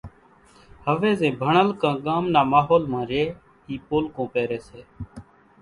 هويَ زين ڀڻل ڪان ڳام نا ماحول مان ريئيَ اِي پولڪُون پيريَ سي۔